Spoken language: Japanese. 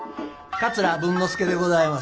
桂文之助でございます。